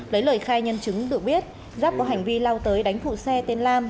lấy lời khai nhân chứng được biết giáp có hành vi lao tới đánh phụ xe tên lam